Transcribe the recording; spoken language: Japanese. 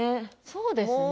そうですね